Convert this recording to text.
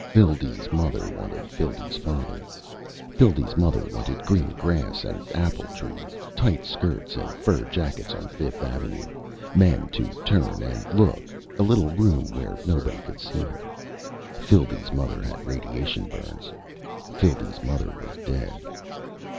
_ Phildee's mother wanted Phildee's father. Phildee's mother wanted green grass and apple trees, tight skirts and fur jackets on Fifth Avenue, men to turn and look, a little room where nobody could see her. Phildee's mother had radiation burns. Phildee's mother was dead.